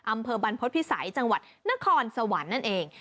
อำเภอบรรพฤษภิษัยจังหวัดนครสวรรค์นั่นเอง